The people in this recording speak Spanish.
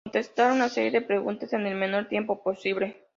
Contestar una serie de preguntas, en el menor tiempo posible.